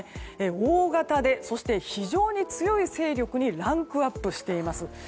大型で非常に強い勢力にランクアップしています。